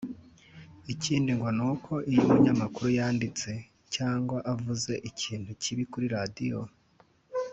Ikindi ngo ni uko iyo umunyamakuru yanditse cyangwa avuze ikintu kibi kuri radio